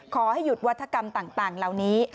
ขอให้หยุดวัฒกรรมต่างเหล่านี้